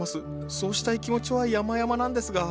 そうしたい気持ちはやまやまなんですが。